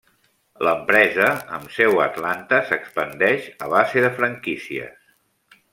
L'empresa, amb seu a Atlanta, s'expandeix a base de franquícies.